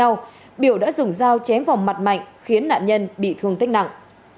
sau biểu đã dùng dao chém vào mặt mạnh khiến nạn nhân bị thương tích nặng